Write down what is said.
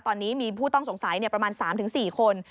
ตอนนี้มีผู้ต้องสงสัยประมาณ๓๔คน